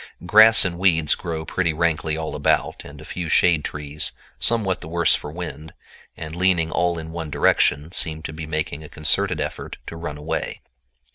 Grass and weeds grow pretty rankly all about, and a few shade trees, somewhat the worse for wind, and leaning all in one direction, seem to be making a concerted effort to run away.